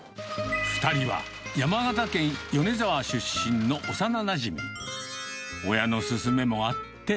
２人は山形県米沢出身の幼なじみ。